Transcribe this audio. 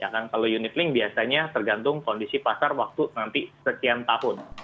kalau unit link biasanya tergantung kondisi pasar waktu nanti sekian tahun